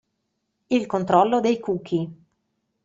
Il controllo dei cookie.